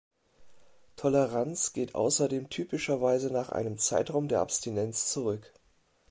Toleranz geht außerdem typischerweise nach einem Zeitraum der Abstinenz zurück.